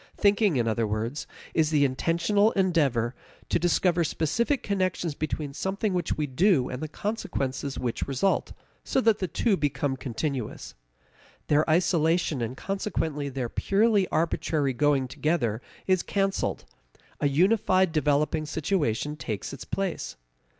Thinking, in other words, is the intentional endeavor to discover specific connections between something which we do and the consequences which result, so that the two become continuous. Their isolation, and consequently their purely arbitrary going together, is canceled; a unified developing situation takes its place.